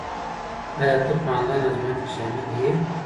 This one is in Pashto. ایا ته په انلاین ازموینه کې شامل یې؟